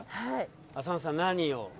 浅野さん何を？